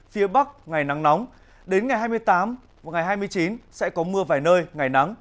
phía bắc ngày nắng nóng đến ngày hai mươi tám và ngày hai mươi chín sẽ có mưa vài nơi ngày nắng